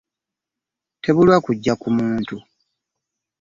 Tebulwa kujja ku muntu .